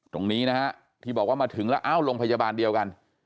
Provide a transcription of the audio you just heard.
ตรงนี้นะฮะที่บอกว่ามาถึงแล้วเอ้าโรงพยาบาลเดียวกัน